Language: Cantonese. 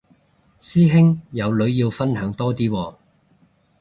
師兄有女要分享多啲喎